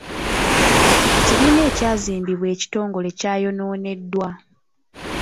Ekibiina ekyazimbibwa ekitongole kyayonooneddwa.